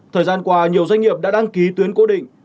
thời gian qua nhiều doanh nghiệp đã đăng ký tuyến cố định